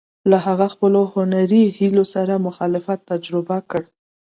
هغه له خپلو هنري هیلو سره مخالفت تجربه کړ.